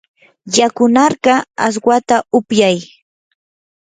yakunarqaa aswata upyay.